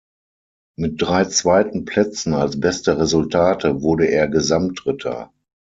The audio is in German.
Mit drei zweiten Plätzen als beste Resultate wurde er Gesamtdritter.